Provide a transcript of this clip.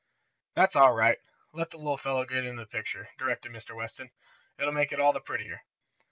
"That's all right let the little fellow get into the picture," directed Mr. Weston. "It will make it all the prettier."